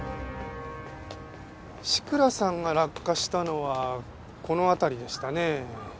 志倉さんが落下したのはこの辺りでしたね。